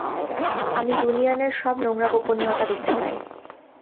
আমি ইউনিয়ন এর সব নোংরা গোপনীয়তা দেখতে পাই।